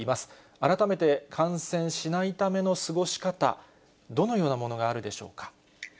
改めて感染しないための過ごし方、どのようなものがあるでしょうか。